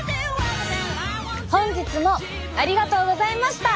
本日もありがとうございました。